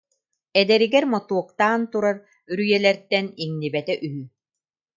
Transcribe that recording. Эдэригэр мотуоктаан турар үрүйэлэртэн иҥнибэтэ үһү